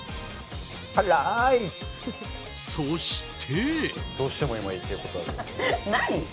そして。